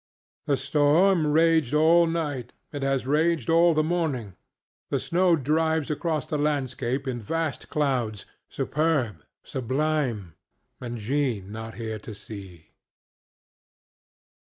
The storm raged all night. It has raged all the morning. The snow drives across the landscape in vast clouds, superb, sublimeŌĆöand Jean not here to see.